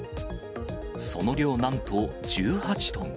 その量なんと１８トン。